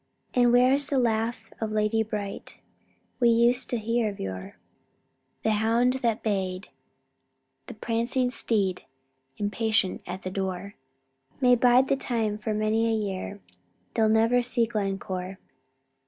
And where's the laugh of lady bright, We used to hear of yore? The hound that bayed, the prancing steed, Impatient at the door, May bide the time for many a year They 'll never see Glencore!